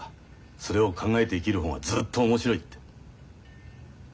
それを考えて生きる方がずっと面白いって。